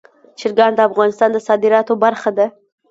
چرګان د افغانستان د صادراتو برخه ده.